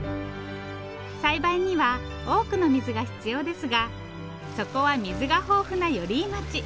栽培には多くの水が必要ですがそこは水が豊富な寄居町。